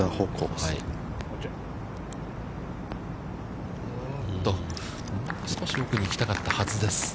もう少し奥に行きたかったはずです。